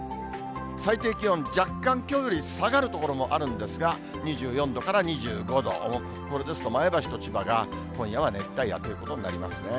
最低気温、若干きょうより下がる所もあるんですが、２４度から２５度、これですと、前橋と千葉が今夜は熱帯夜ということになりますね。